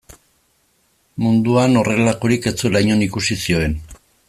Munduan horrelakorik ez zuela inon ikusi zioen.